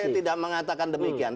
saya tidak mengatakan demikian